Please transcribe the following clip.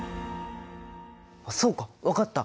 そうか分かった！